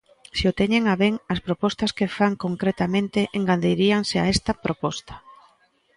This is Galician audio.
Se o teñen a ben, as propostas que fan, concretamente, engadiríanse a esta proposta.